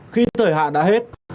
khi thời hạn đã hết